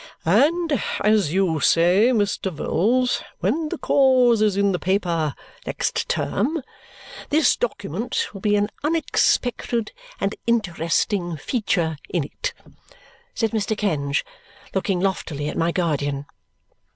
"And as you say, Mr. Vholes, when the cause is in the paper next term, this document will be an unexpected and interesting feature in it," said Mr. Kenge, looking loftily at my guardian.